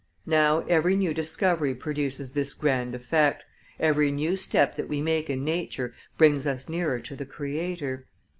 Now every new discovery produces this grand effect, every new step that we make in nature brings us nearer to the Creator.